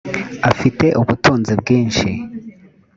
afite ubutunzi bwishi.